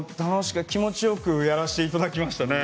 気持ちよくやらせていただきましたね。